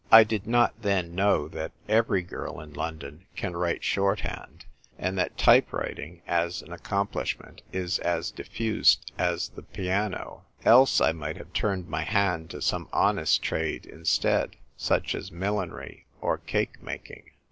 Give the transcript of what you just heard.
I did not then know that every girl in London can write short hand, and that type writing as an accom plishment is as diffused as the piano ; else I might have turned my hand to some honest trade instead, such as millinery or cake making.